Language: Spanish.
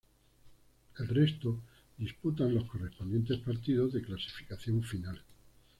El resto disputan los correspondientes partidos de clasificación final.